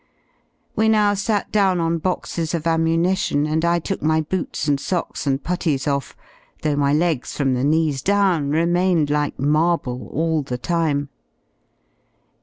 We now sat down on boxes of ammunition, and I took my boots and socks and putties off, though my legs from the knees down remained like marble all the time.